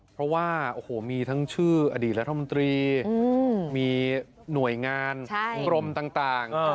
เพราะว่าโอ้โหมีทั้งชื่ออดีตรัฐมนตรีมีหน่วยงานกรมต่าง